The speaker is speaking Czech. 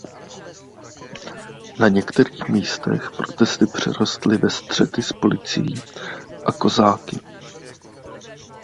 Na některých místech protesty přerostly ve střety s policií a kozáky.